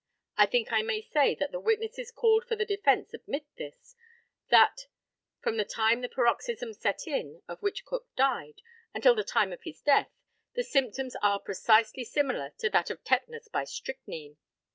I think I may say that the witnesses called for the defence admit this, that, from the time the paroxysms set in, of which Cook died, until the time of his death, the symptoms are precisely similar to that of tetanus by strychnine.